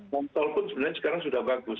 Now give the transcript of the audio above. non tol pun sebenarnya sekarang sudah bagus